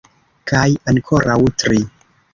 Kaj ankoraŭ tri.